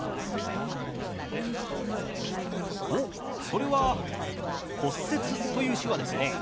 おっそれは「骨折」という手話ですね。